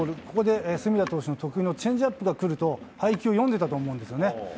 ここで隅田投手の得意のチェンジアップが来ると配球を読んでたと思うんですよね。